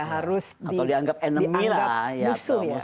harus dianggap musuh ya